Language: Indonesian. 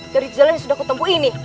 dari jalan yang sudah kutempuh ini